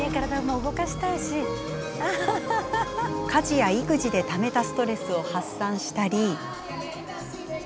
家事や育児でためたストレスを発散したり。